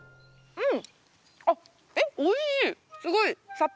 うん。